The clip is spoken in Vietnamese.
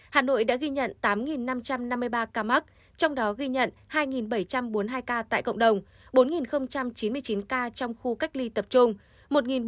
hà nội đã ghi nhận tám năm trăm năm mươi ba ca mắc trong đó ghi nhận hai bảy trăm bốn mươi hai ca tại cộng đồng bốn chín mươi chín ca trong khu cách ly tập trung